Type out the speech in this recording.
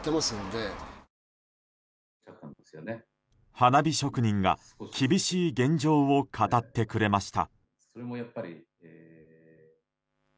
花火職人が厳しい現状を語ってくれました。